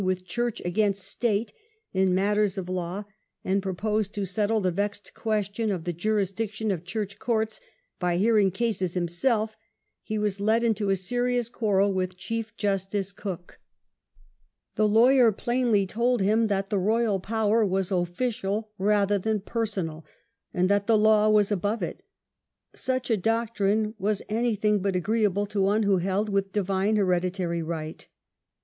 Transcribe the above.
yj'nY^ church against state in matters of law, and proposed to settle the vexed question of the jurisdic tion of church courts by hearing cases himself, he was led into a serious quarrel with Chief justice Coke. The lawyer plainly told him that the royal power was official rather Jjjthan personal, and that the Law was above it. Such a doctrine was anything but agreeable to one who held with "divine hereditary right".